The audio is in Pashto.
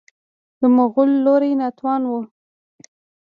مغلوب لوری ناتوان و